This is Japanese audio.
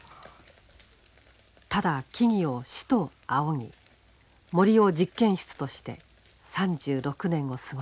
ただ木々を師と仰ぎ森を実験室として３６年を過ごしてきた。